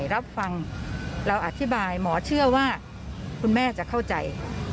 ถ้าเรารับฟังแล้วอธิบายหมอเชื่อว่าคุณแม่จะเข้าใจ